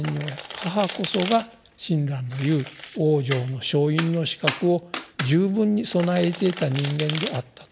母こそが親鸞の言う往生の正因の資格を十分に備えていた人間であった。